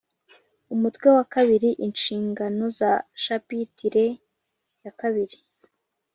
umutwe wa kabiri inshingano za shapitire ya kabiri